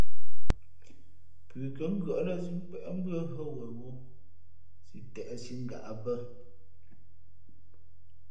Pʉ kά ngʉ̄ᾱʼ lά síʼ nkwén mbʉ́ά hα wen wū si teʼsǐ ngaʼ bᾱ.